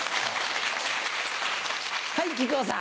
はい木久扇さん。